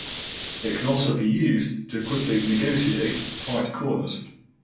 It can also be used to quickly negotiate tight corners.